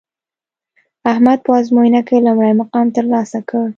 احمد په ازموینه کې لومړی مقام ترلاسه کړ